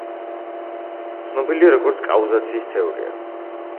ცნობილია როგორც, კაუზაციის თეორია.